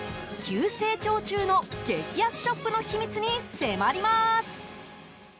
急成長中の激安ショップの秘密に迫ります。